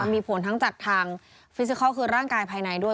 มีผลทั้งจากทางฟิซิคอลคือร่างกายภายในด้วย